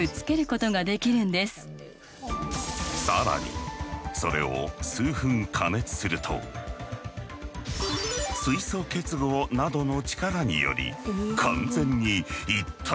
更にそれを数分加熱すると水素結合などの力により完全に一体化してしまうという。